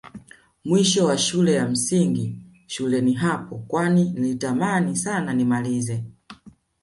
Mwisho wa shule ya msingi shuleni hapo kwani nilitamani Sana nimalize